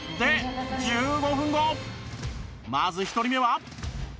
まず１人目は